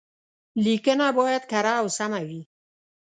ليکنه بايد کره او سمه وي.